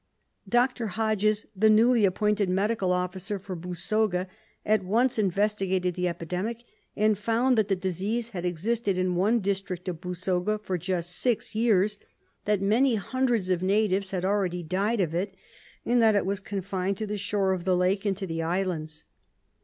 Dr. Hodges, the newly appointed Medical Officer for Busoga, at once investigated the epidemic, and found that the disease had existed in one district of Busoga for just six years, that many hundreds of natives had already died of it, and that it was confined to the shore of the lake and to the islands.